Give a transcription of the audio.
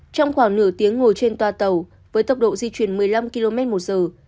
trong khoảng nửa tiếng ngồi trên toa tàu với tốc độ di chuyển một mươi năm km một giờ